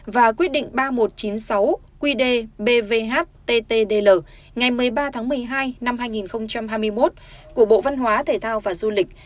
và quyết định ba nghìn một trăm chín mươi sáu qd bvh ttdl ngày một mươi ba tháng một mươi hai năm hai nghìn hai mươi một của bộ văn hóa thể thao và du lịch